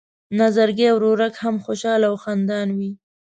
نظرګی ورورک هم خوشحاله او خندان وي.